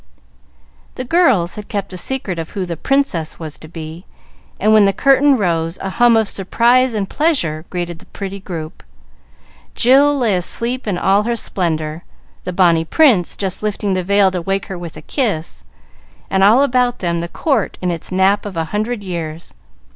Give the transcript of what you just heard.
The girls had kept the secret of who the "Princess" was to be, and, when the curtain rose, a hum of surprise and pleasure greeted the pretty group. Jill lay asleep in all her splendor, the bonny "Prince" just lifting the veil to wake her with a kiss, and all about them the court in its nap of a hundred years.